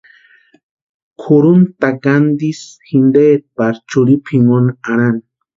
Kʼurhunta takantisï jinteeti pari churhipu jinkoni arhani.